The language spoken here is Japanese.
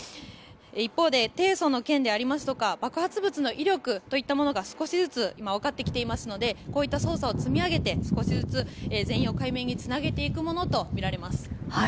一方で、提訴の件でありますとか爆発物の威力といったものが少しずつ今、わかってきていますのでこういった捜査を積み上げて少しずつ全容解明に続けていくものとみられます。